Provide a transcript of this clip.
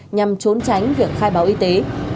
nhằm trốn tránh việc khai báo y tế